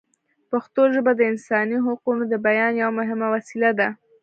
پښتو ژبه د انساني حقونو د بیان یوه مهمه وسیله ده.